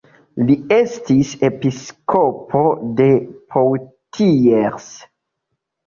Li estis episkopo de Poitiers.